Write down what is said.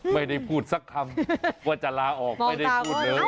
ไม่ได้พูดสักคำว่าจะลาออกไม่ได้พูดเลย